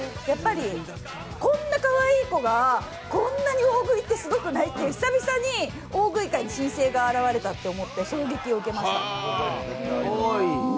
こんなかわいい子が、こんなに大食いってすごくないっていう久々に大食い界に新星が現れたと衝撃を受けました。